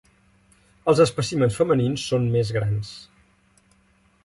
Els espècimens femenins són més grans.